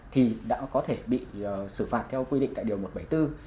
thì đã có thể bị xử phạt theo quy định tại điều một trăm bảy mươi bốn